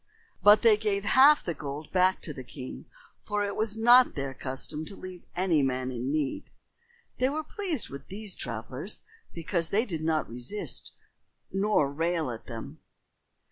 But they gave half the gold back to the king, for it was not their custom to leave any man in need. They were pleased with these travelers because they did not resist nor rail at them.